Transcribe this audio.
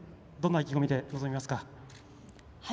どんな意気込みで臨みますか？